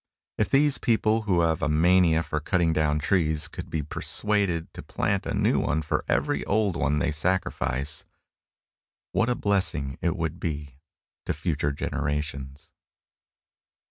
If these people who have a mania for cutting down trees could but be persuaded to plant a new one for every old one they sacrifice, what a blessing it would be to future generations!